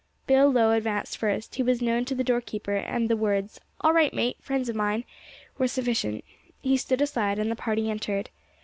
Bill Lowe advanced first; he was known to the doorkeeper, and the words "All right, mate, friends of mine," were sufficient. He stood aside, and the party entered.